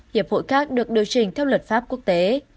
hiệp hội các được điều chỉnh theo luật pháp quốc tế